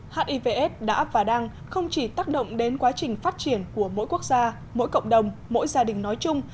hivs đã và đang không chỉ tác động đến quá trình phát triển của mỗi quốc gia mỗi cộng đồng mỗi gia đình nói chung